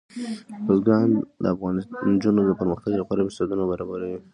بزګان د افغان نجونو د پرمختګ لپاره فرصتونه برابروي.